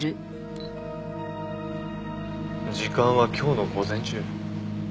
時間は今日の午前中。